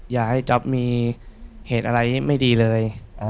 อยากให้จ๊อปมีเหตุอะไรไม่ดีเลย